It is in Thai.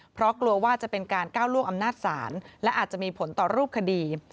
เพราะกลัวว่าจะเป็นการก้าวล่วงอำนาจศาลและอาจจะมีผลต่อรูปคดี